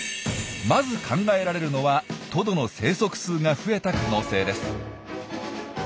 まず考えられるのはトドの生息数が増えた可能性です。